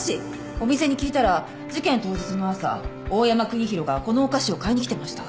お店に聞いたら事件当日の朝大山国広がこのお菓子を買いに来てました。